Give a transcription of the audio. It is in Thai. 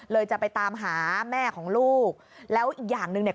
จะไปตามหาแม่ของลูกแล้วอีกอย่างหนึ่งเนี่ย